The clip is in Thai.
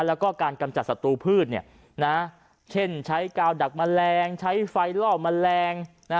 แล้วก็การกำจัดศัตรูพืชเช่นใช้กาวดักแมลงใช้ไฟล่อแมลง